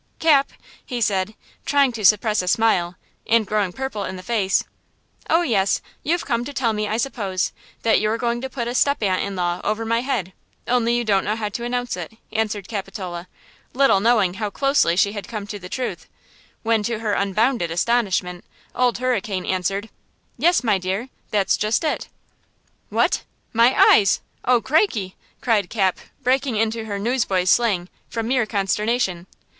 "Cap," he said, trying to suppress a smile, and growing purple in the face. "Oh, yes! You've come to tell me, I suppose, that you're going to put a step aunt in law over my head, only you don't know how to announce it," answered Capitola, little knowing how closely she had come to the truth; when, to her unbounded astonishment, Old Hurricane answered: "Yes, my dear, that's just it!" "What! My eyes! Oh, crickey!" cried Cap, breaking into her newsboy's slang, from mere consternation.